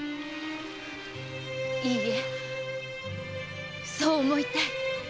いいえそう思いたい！